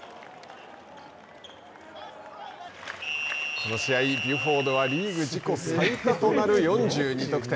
この試合、ビュフォードはリーグ自己最多となる４２得点。